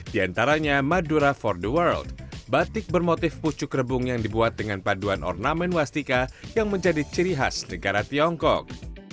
di antaranya madura for the world batik bermotif pucuk rebung yang dibuat dengan paduan ornamen wastika yang menjadi ciri khas negara tiongkok